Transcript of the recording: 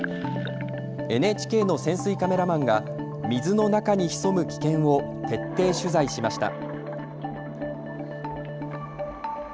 ＮＨＫの潜水カメラマンが水の中に潜む危険を徹底取材しました。